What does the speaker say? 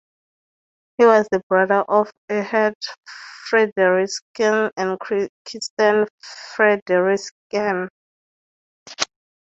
He was the brother of Erhard Frederiksen and Kirstine Frederiksen.